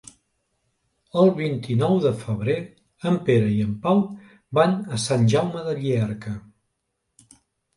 El vint-i-nou de febrer en Pere i en Pau van a Sant Jaume de Llierca.